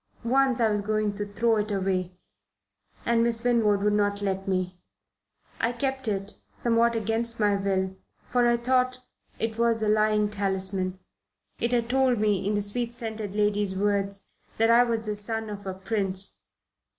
Once I was going to throw it away and Miss Winwood would not let me. I kept it, somewhat against my will, for I thought it was a lying talisman. It had told me, in the sweet scented lady's words, that I was the son of a prince.